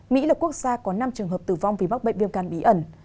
mỹ là quốc gia có năm trường hợp tử vong vì mắc bệnh viêm gan bí ẩn